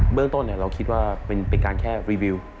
เรื่องต้นเราคิดว่าเป็นการแค่รีวิว